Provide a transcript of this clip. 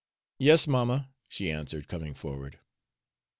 "Yes, mamma," she answered, coming forward.